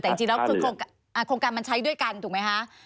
แต่จริงแล้วโครงการมันใช้ด้วยกันถูกไหมคะ